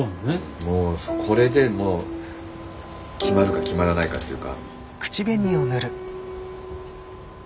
もうこれでもう決まるか決まらないかっていうか。